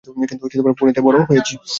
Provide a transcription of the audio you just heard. কিন্তু পুনেতে বড় হয়েছি।